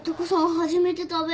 初めて食べる。